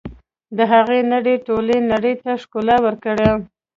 د هغه نړۍ ټولې نړۍ ته ښکلا ورکړه.